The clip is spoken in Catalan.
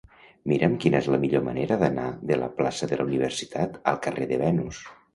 Mira'm quina és la millor manera d'anar de la plaça de la Universitat al carrer de Venus.